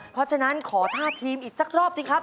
เพราะฉะนั้นขอท่าทีมอีกสักรอบสิครับ